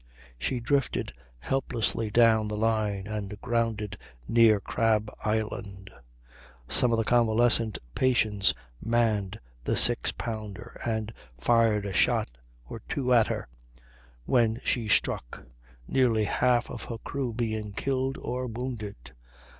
She drifted helplessly down the line and grounded near Crab Island; some of the convalescent patients manned the six pounder and fired a shot or two at her, when she struck, nearly half of her crew being killed or wounded.